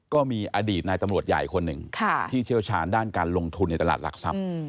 ก็มีอดีตนายตำรวจใหญ่คนหนึ่งที่เชี่ยวชาญด้านการลงทุนในตลาดหลักทรัพย์